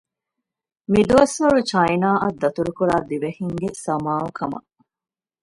މި ދުވަސްވަރު ޗައިނާއަށް ދަތުރުކުރާ ދިވެހިންގެ ސަމާލުކަމަށް